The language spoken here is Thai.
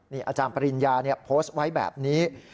อาจารย์ปริญญาโพสต์ไว้แบบนี้